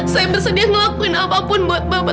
saya bersedia ngelakuin apapun buat bapak